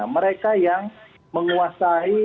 mereka yang menguasai